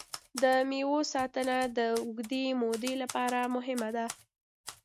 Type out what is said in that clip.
د مېوو ساتنه د اوږدې مودې لپاره مهمه ده.